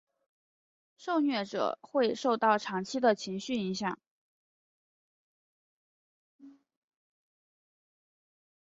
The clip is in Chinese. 受虐者会受到长期的情绪影响。